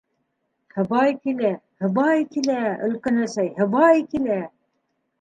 — Һыбай килә, һыбай килә, өлкән әсәй, һыбай килә!